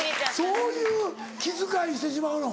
そういう気遣いしてしまうの。